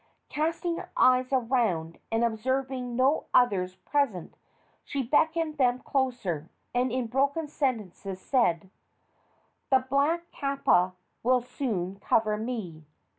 Casting her eyes around and observing no others present, she beckoned them closer, and in broken sentences said: "The black kapa will soon cover me.